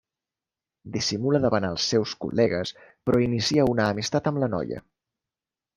Dissimula davant els seus col·legues, però inicia una amistat amb la noia.